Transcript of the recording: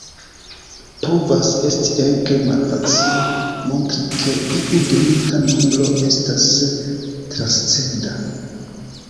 Povas esti ege malfacile montri ke iu donita nombro estas transcenda.